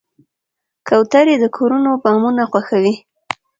کوترې د کورونو بامونه خوښوي.